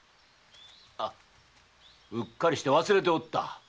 あうっかりして忘れておった。